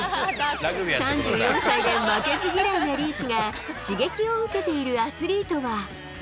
３４歳で負けず嫌いなリーチが、刺激を受けているアスリートは？